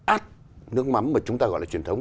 át nước mắm mà chúng ta gọi là truyền thống